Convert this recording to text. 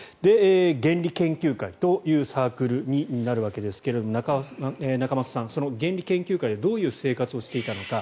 原理研究会というサークルになるわけですが仲正さん、その原理研究会どういう生活をしていたのか。